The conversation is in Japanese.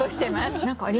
何かありますか？